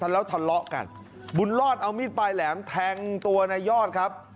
แล้วทะเลาะกันบุญรอดเอามีดปลายแหลมแทงตัวนายยอดครับ